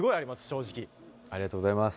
正直ありがとうございます